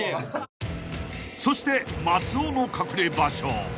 ［そして松尾の隠れ場所］